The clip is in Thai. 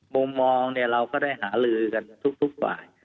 มุมมองเราก็ได้หาลือกันทุกฝ่าย